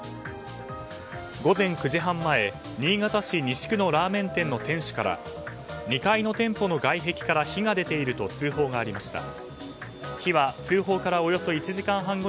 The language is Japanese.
午前９時半前新潟市西区のラーメン店の店主から、２階の店舗の外壁から火が出ていると通報がありました。